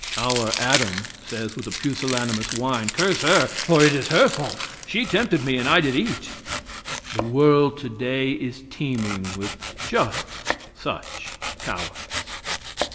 (Our Adam says, with a pusillanimous whine, Curse her, for it is her fault: she tempted me and I did eat!" The world, today, is teeming with just such cowards!)